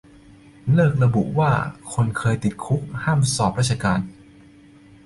เลิกระบุว่าคนเคยติดคุกห้ามสอบราชการ